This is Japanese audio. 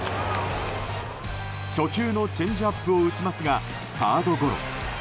初球のチェンジアップを打ちますがサードゴロ。